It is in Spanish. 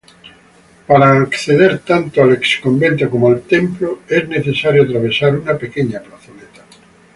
Para acceder tanto al ex-convento como al templo, es necesario atravesar una pequeña plazoleta.